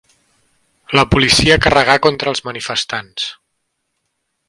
La policia carregà contra els manifestants.